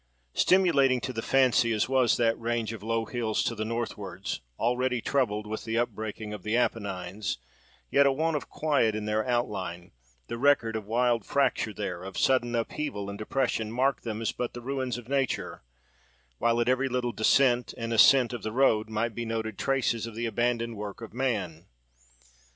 Stimulating to the fancy as was that range of low hills to the northwards, already troubled with the upbreaking of the Apennines, yet a want of quiet in their outline, the record of wild fracture there, of sudden upheaval and depression, marked them as but the ruins of nature; while at every little descent and ascent of the road might be noted traces of the abandoned work of man.